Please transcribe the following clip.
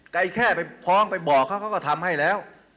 ใครแค่ไปพร้อมไปบอกเขาเขาก็ทำให้แล้ว